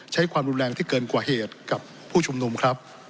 ใช้ความรุนแรงที่เกินกว่าเหตุกับผู้ชุมนุมครับ